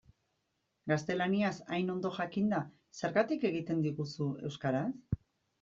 Gaztelaniaz hain ondo jakinda, zergatik egiten diguzu euskaraz?